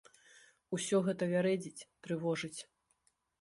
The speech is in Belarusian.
Усё гэта вярэдзіць, трывожыць.